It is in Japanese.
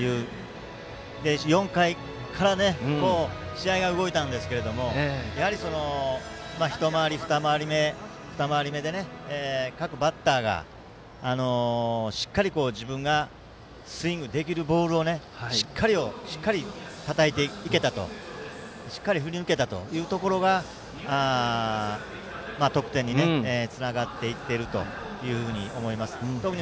４回から試合が動いたんですけどやはり、一回り目二回り目で各バッターがしっかり自分がスイングできるボールをしっかりたたいていけたとしっかり振り抜けたところが得点につながっていっていると思います。